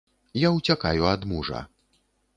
Я ўцякаю ад мужа.